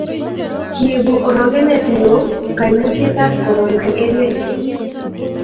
kiibu orokenet neoo kaimutietab korono eng' emet